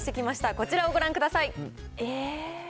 こちらをご覧ください。